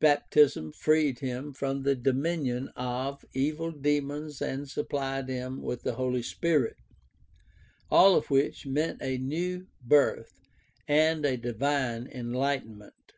Baptism freed him from the dominion of, evil demons and supplied him with the THE STUDY OF EARLY CHRISTIANITY 295 Holy Spirit, all of which meant a new birth and a divine enlightenment.